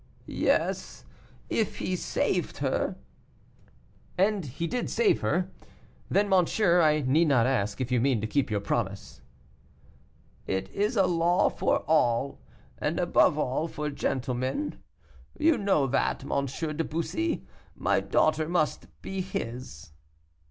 "Yes, if he saved her." "And he did save her. Then, monsieur, I need not ask if you mean to keep your promise." "It is a law for all, and above all for gentlemen; you know that, M. de Bussy. My daughter must be his."